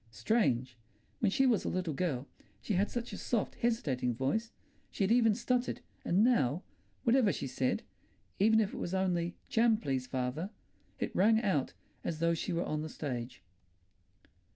Strange! When she was a little girl she had such a soft, hesitating voice; she had even stuttered, and now, whatever she said—even if it was only "Jam, please, father"—it rang out as though she were on the stage.